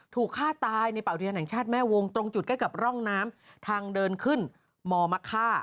ถูกฆ่าตายในป่าเรียนแห่งชาติแม่วงตรงจุดใกล้กับร่องน้ำทางเดินขึ้นมมะค่า